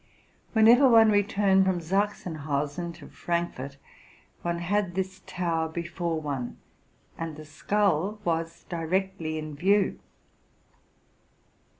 Whenever one returned from Sachsenhausen to Frankfort, one had this tower before one; and the skull was directly in view.